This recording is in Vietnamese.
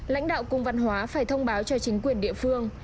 lãnh đạo cung văn hóa phải thông báo cho chính quyền địa phương